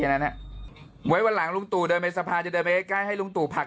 นะไว้วันหลังลุงตู่เดินไปสะพานจะเดินไปให้ลุงตู่ผัก